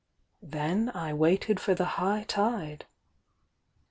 Then I waited for the high tide.